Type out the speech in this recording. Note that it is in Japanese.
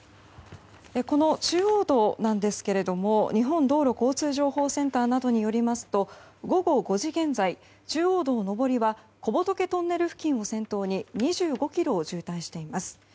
この中央道なんですけれども日本道路交通情報センターなどによりますと午後５時現在中央道上りは小仏トンネル付近を先頭に２５ｋｍを渋滞しています。